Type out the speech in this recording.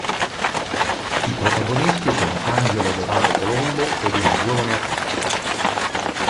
I protagonisti sono Angelo Donato Colombo ed una giovane attrice.